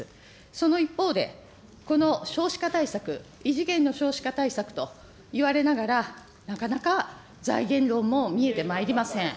その一方で、この少子化対策、異次元の少子化対策といわれながら、なかなか財源論も見えてまいりません。